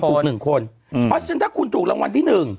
๑คนเพราะฉะนั้นถ้าคุณถูกรางวัลที่๑